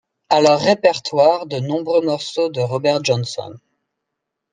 À leur répertoire, de nombreux morceaux de Robert Johnson.